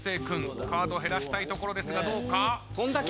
君カードを減らしたいところですがどうか？